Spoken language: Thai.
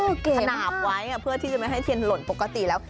คือขนาดไว้เพื่อที่จะไม่ให้เทียนหล่นปกติแล้ว